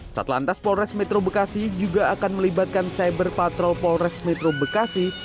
satlantas polres metro bekasi juga akan melibatkan cyber patrol polres metro bekasi